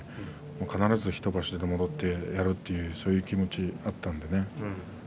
必ず１場所で戻ってやるとそういう気持ちがありました。